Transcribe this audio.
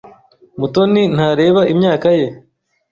Mutoni ntareba imyaka ye.